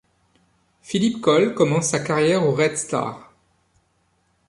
Philippe Col commence sa carrière au Red Star.